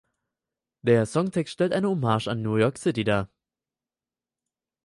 Der Songtext stellt eine Hommage an New York City dar.